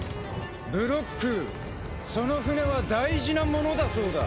ブロックその船は大事なものだそうだ。